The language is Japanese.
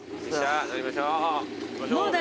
乗りましょう。